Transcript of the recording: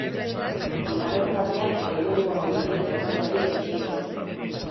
Bigarren zatiak lehenengoaren bide berberari eutsi dio.